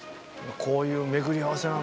こういう巡り合わせなんだよな。